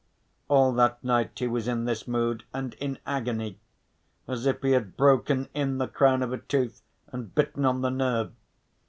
All that night he was in this mood, and in agony, as if he had broken in the crown of a tooth and bitten on the nerve.